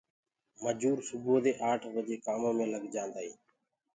مجور سبوو دي آٺ بجي ڪآمو مي لگ جآنٚدآئينٚ